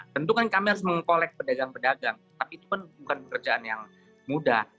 tentu kan kami harus mengkolek pedagang pedagang tapi itu kan bukan pekerjaan yang mudah